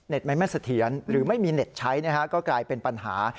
ไม้แม่เสถียรหรือไม่มีเน็ตใช้ก็กลายเป็นปัญหา